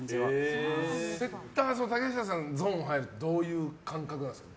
セッターの竹下さんがゾーンに入るってどういう感覚なんですか？